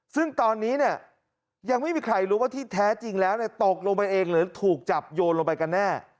ซึ่งตอนนี้เนี่ยยังไม่มีใครรู้ว่าที่แท้จริงแล้วตกลงไปเองหรือถูกจับโยนลงไปกันแน่